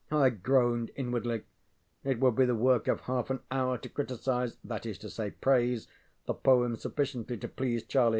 I groaned inwardly. It would be the work of half an hour to criticise that is to say praise the poem sufficiently to please Charlie.